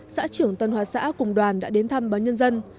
xã trưởng tân hóa xã cùng đoàn đã đến thăm báo nhân dân